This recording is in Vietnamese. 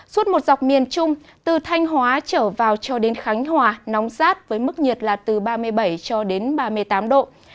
suốt một dọc miền trung từ thanh hóa trở vào cho đến khánh hòa nóng sát với mức nhiệt là từ ba mươi bảy cho đến ba mươi tám độ